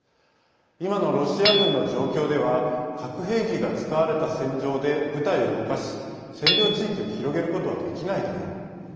今のロシア軍の状況では核兵器が使われた戦場で部隊を動かし、占領地域を広げることはできないだろう。